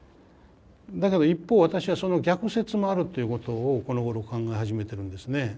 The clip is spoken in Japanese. だけど一方私はその逆説もあるっていうことをこのごろ考え始めてるんですね。